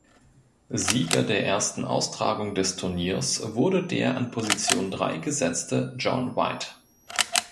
Sieger der ersten Austragung des Turniers wurde der an Position drei gesetzte John White.